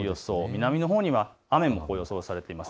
南のほうには雨も予想されています。